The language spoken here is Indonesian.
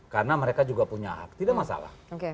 karena mereka juga punya hak tidak masalah